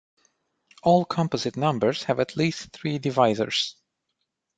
All composite numbers have at least three divisors.